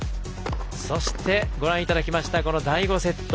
そして、ご覧いただきました第５セット。